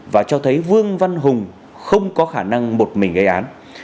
và cho thấy vương văn hùng không có khả năng một mình gây án